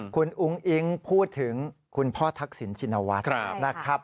คุณอุ๊งอิ้งพูดถึงคุณพ่อทักศินจิณวัตร